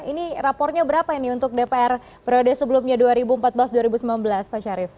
ini rapornya berapa ini untuk dpr periode sebelumnya dua ribu empat belas dua ribu sembilan belas pak syarif